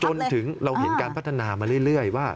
จนถึงเราเห็นการพัฒนามาเรื่อยว่า